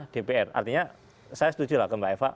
dpr artinya saya setuju lah ke mbak eva